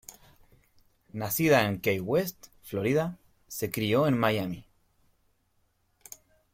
Nacida en Key West, Florida, se crió en Miami.